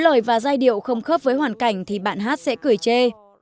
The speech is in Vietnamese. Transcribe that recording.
lời và giai điệu không khớp với hoàn cảnh thì bạn hát sẽ cười chê